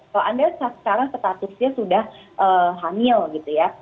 kalau anda sekarang statusnya sudah hamil gitu ya